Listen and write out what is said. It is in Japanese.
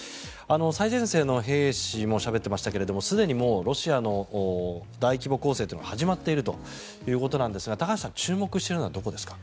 最前線の兵士もしゃべってましたがすでにロシアの大規模攻勢というのは始まっているということなんですが高橋さん注目しているのはどこですか。